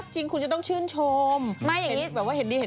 ไม่แน่เหมือนว่าแล็กซักตาล